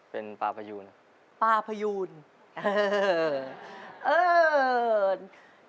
เป็นปลาพยูนปลาพยูนเออ